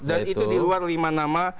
dan itu diluar lima nama